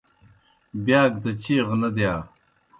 بِیاک دہ چیغہ نہ دِیا۔